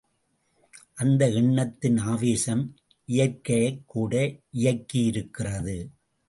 அந்த எண்ணத்தின் ஆவேசம் இயற்கையைக் கூட இயக்கியிருக்கிறது!